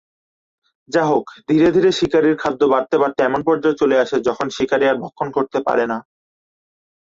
যা হোক, ধীরে ধীরে শিকারীর খাদ্য বাড়তে বাড়তে এমন পর্যায়ে চলে আসে যখন শিকারী আর ভক্ষণ করতে পারে না।